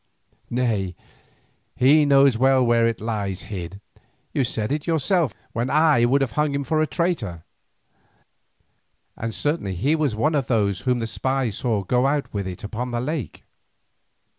Nay, he knows well where it lies hid; you said it yourself when I would have hung him for a traitor, and certainly he was one of those whom the spy saw go out with it upon the lake.